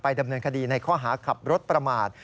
ดำเนินคดีในข้อหาขับรถประมาท